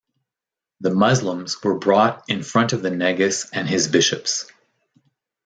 The Muslims were brought in front of the Negus and his bishops.